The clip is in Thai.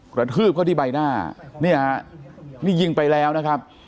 กระทืบเขาที่ใบหน้าเนี่ยนี่ยิงไปแล้วนะครับ